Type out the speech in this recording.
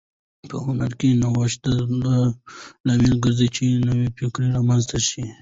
په هنر کې نوښت د دې لامل ګرځي چې نوي فکرونه رامنځته شي.